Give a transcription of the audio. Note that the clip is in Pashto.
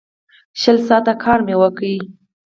شل ساعته کار مې وکړ.